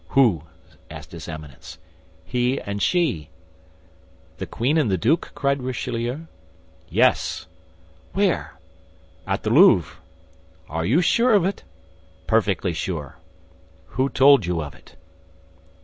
"Who?" asked his Eminence. "He and she." "The queen and the duke?" cried Richelieu. "Yes." "Where?" "At the Louvre." "Are you sure of it?" "Perfectly sure." "Who told you of it?"